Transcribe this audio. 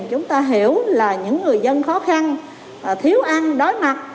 chúng ta hiểu là những người dân khó khăn thiếu ăn đối mặt